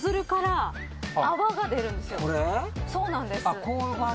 あっこういう感じや。